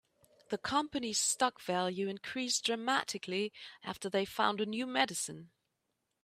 The company's stock value increased dramatically after they found a new medicine.